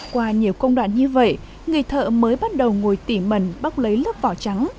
qua nhiều công đoạn như vậy người thợ mới bắt đầu ngồi tỉ mẩn bóc lấy lớp vỏ trắng